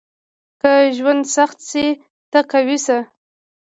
• که ژوند سخت شي، ته قوي شه.